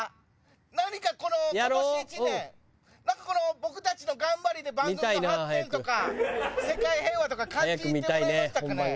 何かこの今年一年なんかこの僕たちの頑張りで番組が回ってるとか世界平和とか感じてもらえましたかね？